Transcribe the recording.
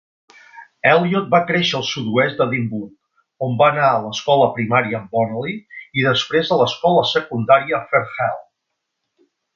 Elliot va créixer al sud-oest d"Edimburg, on va anar a l"escola primària Bonaly i després a l"escola secundària Firrhill.